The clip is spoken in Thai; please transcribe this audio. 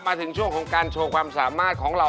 มาถึงช่วงของการโชว์ความสามารถของเรา